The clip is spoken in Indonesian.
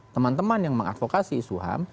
teman teman yang mengadvokasi isu ham